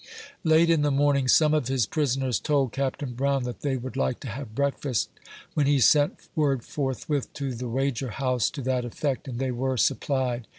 Late in the morning, some of his prisoners told Capt. Brown that they would like to have breakfast, when he sent word forthwith to the Wager House to that effect, and they were supplied.